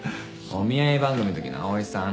お見合い番組のときの葵さん。